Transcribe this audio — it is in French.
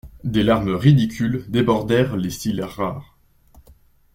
Des larmes ridicules débordèrent les cils rares.